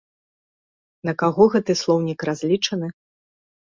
На каго гэты слоўнік разлічаны?